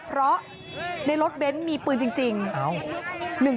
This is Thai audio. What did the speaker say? เพราะในรถเบนท์มีปืนจริง